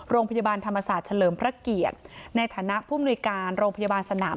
โรงพยาบาลธรรมศาสตร์เฉลิมพระเกียรติในฐานะผู้มนุยการโรงพยาบาลสนาม